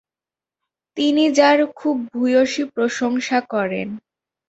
তিনি যার খুব ভূয়সী প্রশংসা করেন।